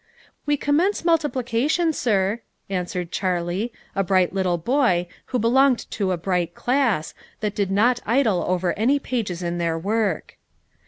"We commence multiplication, sir," answered Charlie, a bright little boy, who belonged to a bright class, that did not idle over any pages in their work.